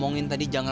aja dirima nya